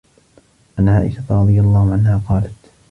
عَنْ عَائِشَةَ رَضِيَ اللَّهُ عَنْهَا قَالَتْ